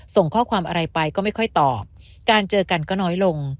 ส่งข้อความอะไรไปก็ไม่ค่อยตอบการเจอกันก็น้อยลง